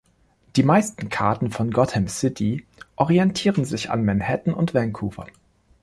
Die meisten Karten von Gotham City orientieren sich an Manhattan und Vancouver.